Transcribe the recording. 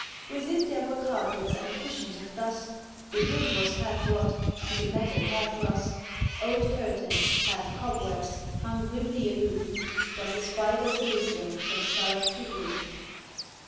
Within, there were carpets and cushions of dust, The wood was half rot, and the metal half rust. Old curtains, half cobwebs, hung grimly aloof; 'T was a Spiders' Elysium from cellar to roof.